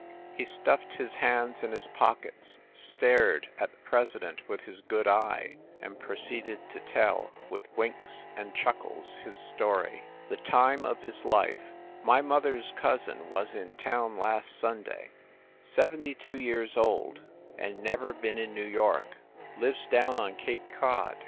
He stuffed his hands in his pockets, stared at the presi dent with his good eye, and proceeded to tell, with winks and chuckles, his story. THE TIME OF HIS LIFE My mother s cousin was in town last Sunday. Seventy two years old, and never been in New York. Lives down on Cape Cod.